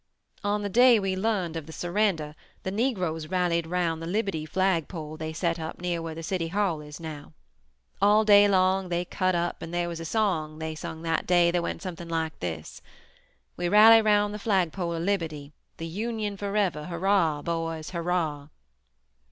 "On the day we learned of the surrender, the Negroes rallied around the liberty flag pole that they set up near where the city hall is now. All day long they cut up and there was a song they sung that day that went something like this: 'We rally around the flag pole of liberty, The Union forever, Hurrah! Boys Hurrah!'